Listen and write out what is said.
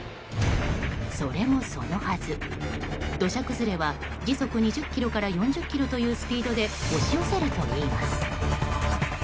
それもそのはず、土砂崩れは時速２０キロから４０キロというスピードで押し寄せるといいます。